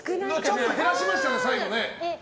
ちょっと減らしましたね、最後ね。